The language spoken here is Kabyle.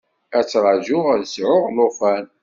Ad ttraǧuɣ ad sɛuɣ llufan.